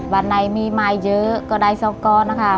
วันไหนมีไม้เยอะก็ได้๒กรอบนะคะ